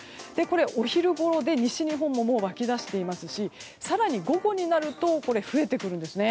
お昼ごろで、西日本でも湧き出していますし更に午後になると増えてくるんですね。